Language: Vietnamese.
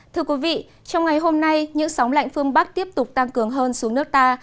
thưa quý vị trong ngày hôm nay những sóng lạnh phương bắc tiếp tục tăng cường hơn xuống nước ta